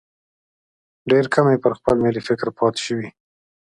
ډېر کم یې پر خپل ملي فکر پاتې شوي.